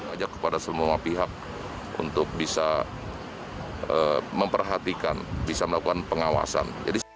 ajak kepada semua pihak untuk bisa memperhatikan bisa melakukan pengawasan